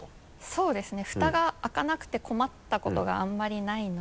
そうですね。